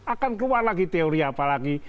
akan keluar lagi teori apa lagi